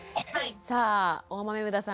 さあ大豆生田さん